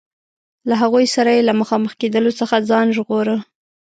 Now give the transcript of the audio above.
له هغوی سره یې له مخامخ کېدلو څخه ځان ژغوره.